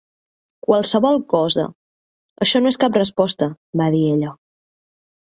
"Qualsevol cosa". "Això no és cap resposta", va dir ella.